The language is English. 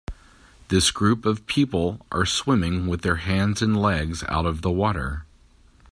This group of people are swimming with their hands and legs out of the water.